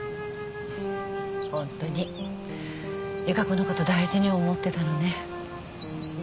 ホントに由加子のこと大事に思ってたのね。